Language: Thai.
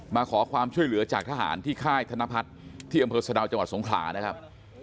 มาขอความช่วยเหลือจากทหารที่ค่ายธนพัฒน์ที่อำเภอสะดาวจังหวัดสงขลานะครับ